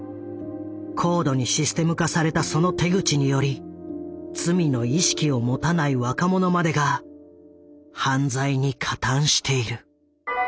高度にシステム化されたその手口により罪の意識を持たない若者までが犯罪に加担している。